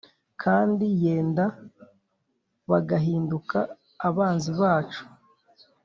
kandi yenda bagahinduka abanzi bacu